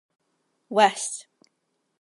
West.